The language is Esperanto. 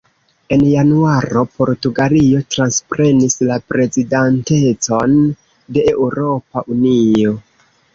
En januaro Portugalio transprenis la prezidantecon de Eŭropa Unio.